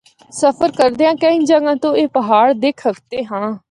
سفر کردیاں کئی جگہ تو اے پہاڑ دکھ ہکدے ہاں۔